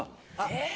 えっ？